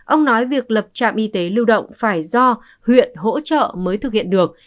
ông nói việc lập trạm y tế lưu động phải do huyện hỗ trợ mới thực hiện được